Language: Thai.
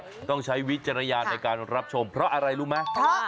มันต้องใช้วิจารณญาณในการรับชมเพราะอะไรรู้ไหม